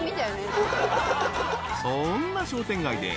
［そんな商店街で］